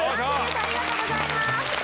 ありがとうございます。